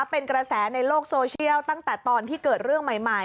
เป็นกระแสในโลกโซเชียลตั้งแต่ตอนที่เกิดเรื่องใหม่